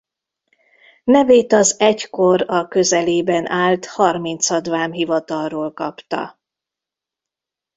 Nevét az egykor a közelében állt harmincadvám-hivatalról kapta.